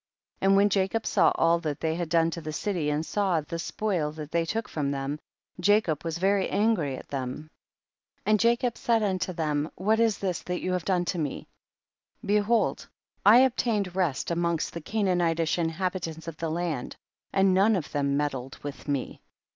32. And when Jacob saw all that they had done to the city, and saw the spoil that they took from them, Jacob was very angry at them, and Jacob said unto them, what is this that you have done to me 1 behold I obtained rest amongst the Canaan itish inhabitants of the land, and none of them meddled with me.